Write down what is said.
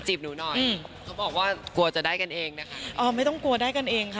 หนูหน่อยเขาบอกว่ากลัวจะได้กันเองนะคะอ๋อไม่ต้องกลัวได้กันเองค่ะ